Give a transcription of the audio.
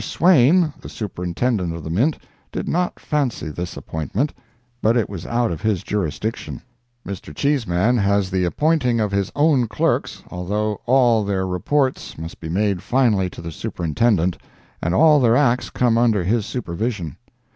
Swain, the Superintendent of the mint, did not fancy this appointment, but it was out of his jurisdiction. Mr. Cheeseman has the appointing of his own clerks, although all their reports must be made finally to the Superintendent, and all their acts come under his supervision.